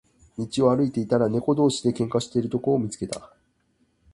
道を歩いていたら、猫同士で喧嘩をしているところを見つけた。